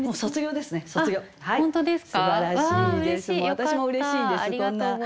私もうれしいですこんな。